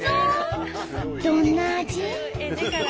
どんな味？